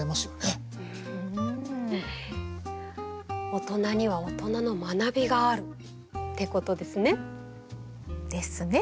大人には大人の学びがあるってことですね。ですね。